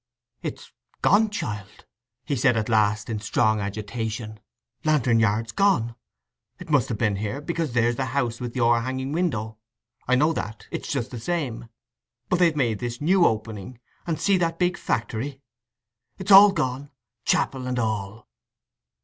"It's gone, child," he said, at last, in strong agitation—"Lantern Yard's gone. It must ha' been here, because here's the house with the o'erhanging window—I know that—it's just the same; but they've made this new opening; and see that big factory! It's all gone—chapel and all."